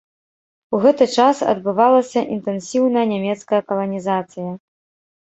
У гэты час адбывалася інтэнсіўная нямецкая каланізацыя.